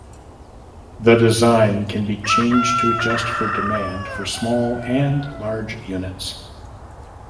The design can be changed to adjust for demand for small and large units.